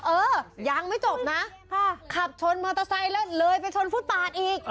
เอ้อยังไม่จบนะขับชนมอเตอร์ไซเลสเลยไปชนผู้ตาดอีก